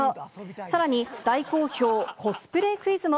さらに大好評、コスプレクイズも。